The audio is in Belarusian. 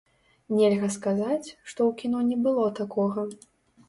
Нельга сказаць, што ў кіно не было такога.